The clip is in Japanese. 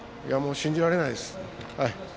信じられないです。